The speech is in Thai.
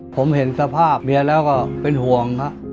ผมเห็นสภาพเมียแล้วก็เป็นห่วงครับ